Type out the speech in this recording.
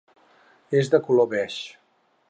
És de color beix.